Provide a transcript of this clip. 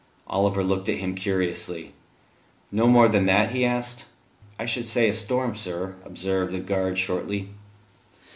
Oliver looked at him curiously. "No more than that?" he asked. "I should say a storm, sir," observed the guard shortly.